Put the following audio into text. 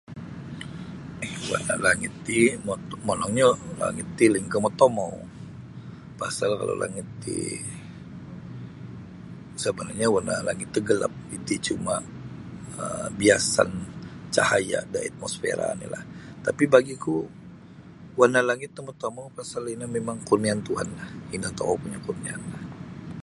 Langit ti monongnyo langit ti lainkah motomou pasal kalau langit ti sabanarnyo warna langit ti gelap iti cuma' um biasan cahaya' da itmosfera oni'lah tapi' bagi'ku warna langit no motomou pasal ino mimang kurniaan Tuhanlah ino tokou punya' kurniaanlah.